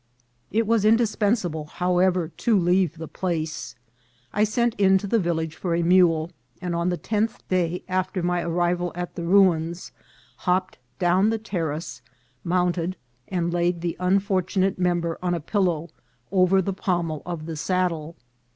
It was indispensable, however, to leave the place. I sent in to the village for a mule, and on the tenth day after my arrival at the ruins, hopped down the terrace, mounted, and laid the unfortunate member on a pillow over the pommel of the saddle.